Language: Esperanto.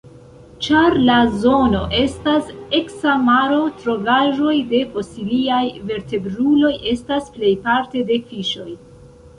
Ĉar la zono estas eksa maro, trovaĵoj de fosiliaj vertebruloj estas plejparte de fiŝoj.